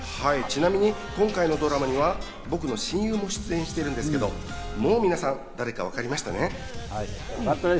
ちなみに今回のドラマは僕の親友が出演しているんですけど、もう皆さん、誰かわかりましたね？